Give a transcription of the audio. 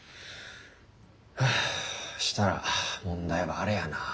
はあしたら問題はあれやな。